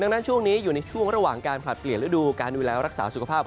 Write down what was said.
ดังนั้นช่วงนี้อยู่ในช่วงระหว่างการผลัดเปลี่ยนฤดูการดูแลรักษาสุขภาพ